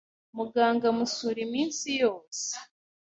Muganga amusura iminsi yose.